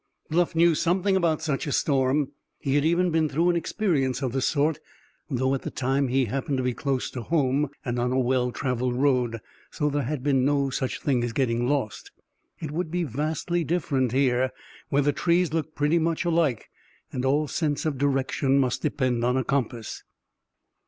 Bluff knew something about such a storm. He had even been through an experience of the sort, though at the time he happened to be close to home, and on a well traveled road, so there had been no such thing as getting lost. It would be vastly different here, where the trees looked pretty much alike and all sense of direction must depend on a compass.